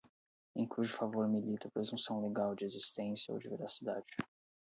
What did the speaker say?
em cujo favor milita presunção legal de existência ou de veracidade